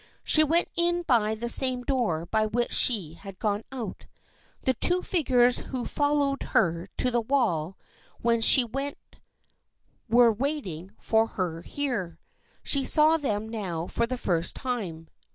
She went in by the same door by which she had gone out. The two figures who had followed her to the wall when THE FRIENDSHIP OF ANNE 91 she went were waiting for her here. She saw them now for the first time.